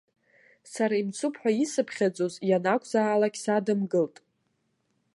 Сара имцуп ҳәа исыԥхьаӡоз ианакәзаалак садымгылт.